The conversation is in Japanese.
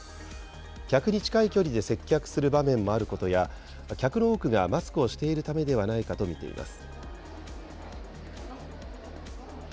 客に近い距離で接客する場面もあることや、客の多くがマスクをしているためではないかと見ています。